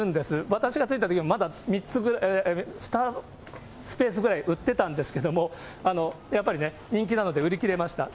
私が着いたときは、２スペースぐらい売ってたんですけども、やっぱりね、人気なので売り切れました。